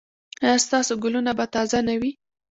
ایا ستاسو ګلونه به تازه نه وي؟